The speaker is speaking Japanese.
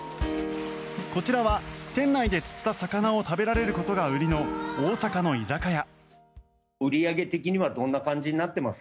こちらは、店内で釣った魚を食べられることが売りの大阪の居酒屋。